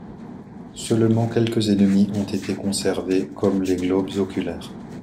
Seulement quelques ennemis ont été conservés, comme les globes oculaires.